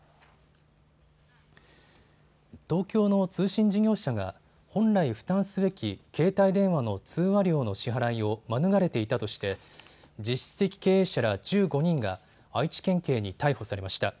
東京の通信事業者が本来負担すべき携帯電話の通話料の支払いを免れていたとして実質的経営者ら１５人が愛知県警に逮捕されました。